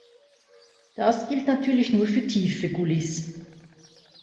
Das gilt natürlich nur für tiefe Gullys.